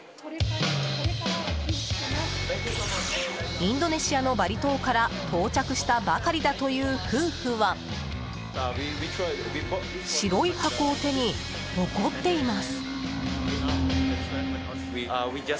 インドネシアのバリ島から到着したばかりだという夫婦は白い箱を手に怒っています。